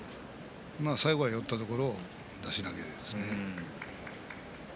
最後は寄ったところ出し投げですね。